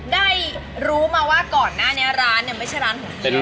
ได้รู้มาว่าก่อนหน้านี้ร้านเนี่ยไม่ใช่ร้านของเจ๊นะ